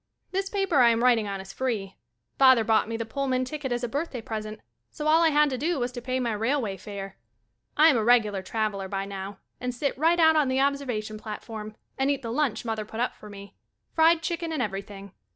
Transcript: This paper I am writing on is free. Father bought me the Pullman ticket as a birthday present so all I had to do was to pay my railway fare. I am a regu lar traveller by now and sit right out on the observation platform and eat the lunch Mother put up for me — fried chicken and everything.